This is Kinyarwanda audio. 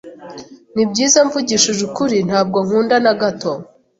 Nibyiza, mvugishije ukuri, ntabwo nkunda na gato.